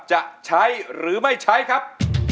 จะใช้หรือไม่ใช้ครับ